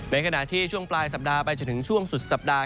ในขณะที่ช่วงปลายสัปดาห์ไปจนถึงช่วงสุดสัปดาห